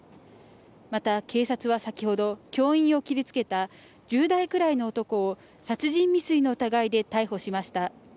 また、警察は先ほど、教員を切りつけた１０代くらいの男を殺人未遂の疑いで逮捕しました。